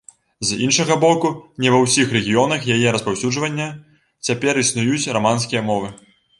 З іншага боку, не ва ўсіх рэгіёнах яе распаўсюджвання цяпер існуюць раманскія мовы.